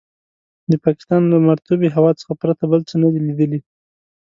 د پاکستان له مرطوبې هوا څخه پرته بل څه نه دي لیدلي.